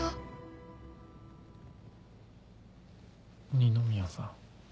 二宮さん。